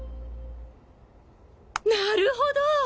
なるほど！